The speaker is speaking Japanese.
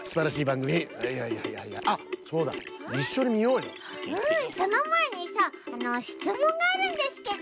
うんそのまえにさあのしつもんがあるんですけど。